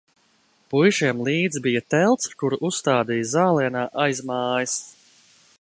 Puišiem līdzi bija telts, kuru uzstādīja zālienā aiz mājas.